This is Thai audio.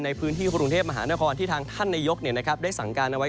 ในพื้นที่กรุงเทพมหานครที่ทางท่านนายกได้สั่งการเอาไว้